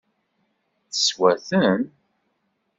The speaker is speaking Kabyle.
Teswa-ten?